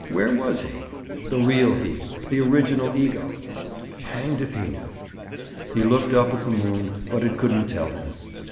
Where was he?—the real he—the original ego? Hanged if he knew! He looked up at the moon, but it couldn't tell him.